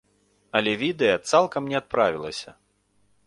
Але відэа цалкам не адправілася.